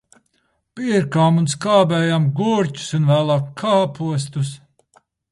Pirkām un skābējām gurķus un vēlāk kāpostus.